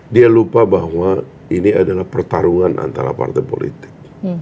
dia lupa bahwa ini adalah pertarungan antara partai politik